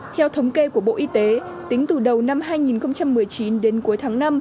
theo thống kê của bộ y tế tính từ đầu năm hai nghìn một mươi chín đến cuối tháng năm